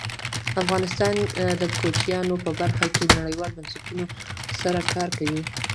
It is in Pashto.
افغانستان د کوچیان په برخه کې نړیوالو بنسټونو سره کار کوي.